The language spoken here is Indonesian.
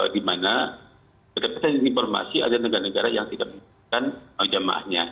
dimana berdasarkan informasi ada negara negara yang tidak menggunakan jamaahnya